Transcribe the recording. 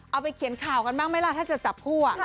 เอาไปเขียนข่าวกันบ้างไหมล่ะถ้าจะจับคู่